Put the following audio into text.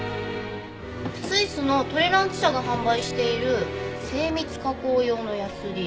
スイスのトレランツ社が販売している精密加工用のヤスリ。